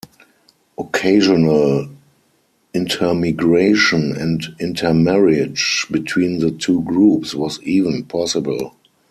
Occasional intermigration and intermarriage between the two groups was even possible.